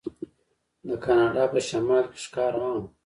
د کاناډا په شمال کې ښکار عام و.